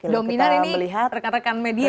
dominar ini rekan rekan media ya